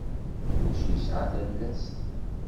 Kullec yesɛa talast.